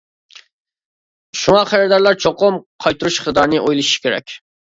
شۇڭا خېرىدارلار چوقۇم قايتۇرۇش ئىقتىدارىنى ئويلىشىشى كېرەك.